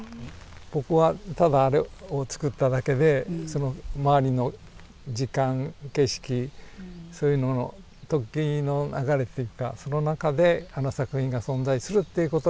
僕はただあれをつくっただけでその周りの時間景色そういうのの時の流れっていうかその中であの作品が存在するっていうことがあのまあ